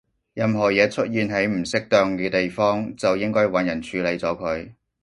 任何嘢出現喺唔適當嘅地方，就應該搵人處理咗佢